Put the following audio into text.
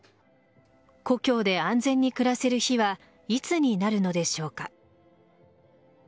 故郷で安全に暮らせる日はいつになるのでしょうか。